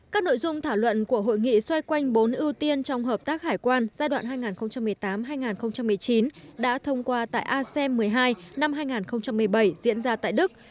các nội dung thảo luận của hội nghị xoay quanh bốn ưu tiên trong hợp tác hải quan giai đoạn hai nghìn một mươi tám hai nghìn một mươi chín đã thông qua tại asem một mươi hai năm hai nghìn một mươi bảy diễn ra tại đức